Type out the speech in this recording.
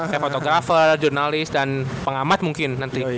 kayak fotografer jurnalis dan pengamat mungkin nanti